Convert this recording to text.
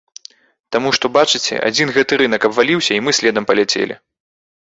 Таму што, бачыце, адзін гэты рынак абваліўся і мы следам паляцелі.